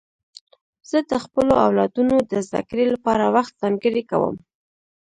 زه د خپلو اولادونو د زدهکړې لپاره وخت ځانګړی کوم.